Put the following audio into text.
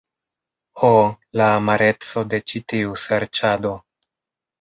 Ho, la amareco de ĉi tiu serĉado.